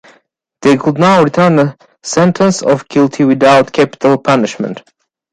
They could now return a sentence of guilty without capital punishment.